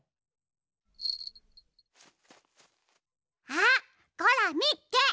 あっゴラみっけ！